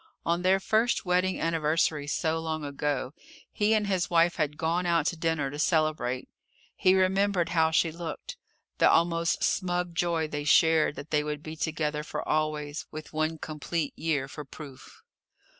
On their first wedding anniversary, so long ago, he and his wife had gone out to dinner to celebrate. He remembered how she looked: the almost smug joy they shared that they would be together for always, with one complete year for proof.